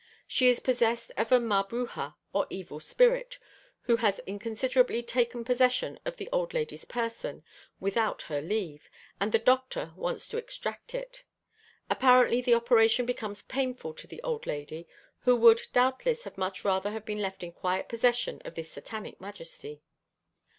She is possessed of a Mabruja or Evil Spirit, who has inconsiderately taken possession of the old lady's person, without her leave, and the "doctor" wants to extract it; apparently the operation becomes painful to the old lady, who would doubtless have much rather been left in quiet possession of his satanic majesty.